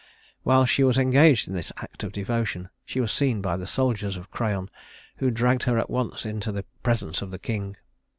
While she was engaged in this act of devotion she was seen by the soldiers of Creon, who dragged her at once into the presence of the king.